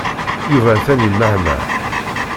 Yuba atan yemmehmeh.